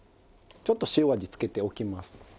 ちょっと塩味つけておきます。